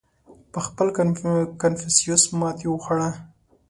• پهخپله کنفوسیوس ماتې وخوړه.